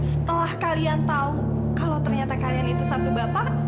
setelah kalian tahu kalau ternyata kalian itu satu bapak